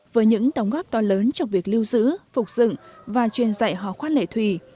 với những đóng góp to lớn trong việc lưu giữ phục dựng và truyền dạy hóa khoát lễ thùy